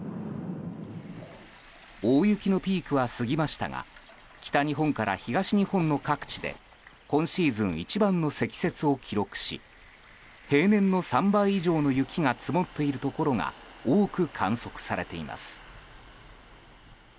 大雪のピークは過ぎましたが北日本から東日本の各地で今シーズン一番の積雪を記録し平年の３倍以上の雪が積もっているところが多く観測されています。